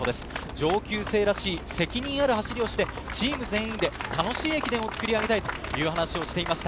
同級生らしい責任ある走りをしてチーム全員で楽しい駅伝を作り上げたいと話していました。